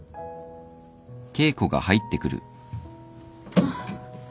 あっ。